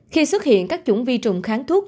khi xuất hiện các chủng vi trùng kháng thuốc